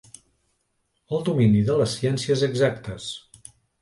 El domini de les ciències exactes.